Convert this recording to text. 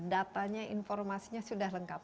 datanya informasinya sudah lengkap